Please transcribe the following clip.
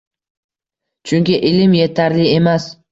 Chunki ilm etarli emas